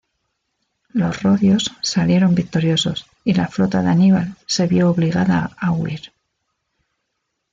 Los rodios salieron victoriosos, y la flota de Aníbal se vio obligada a huir.